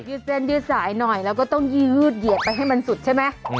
เส้นยืดสายหน่อยแล้วก็ต้องยืดเหยียดไปให้มันสุดใช่ไหม